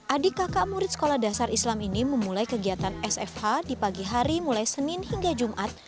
adik kakak murid sekolah dasar islam ini memulai kegiatan sfh di pagi hari mulai senin hingga jumat